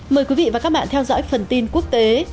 mời quý vị và các bạn theo dõi phần tin quốc tế